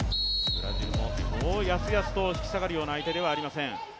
ブラジルもそうやすやすと引き下がるような相手ではありません。